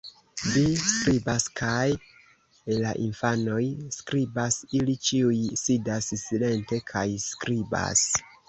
Vi skribas, kaj la infanoj skribas; ili ĉiuj sidas silente kaj skribas.